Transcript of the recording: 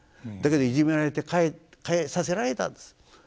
だけどいじめられて帰させられたんです。